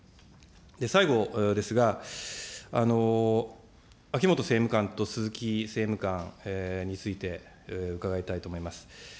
最後ですが、秋本政務官と鈴木政務官について、伺いたいと思います。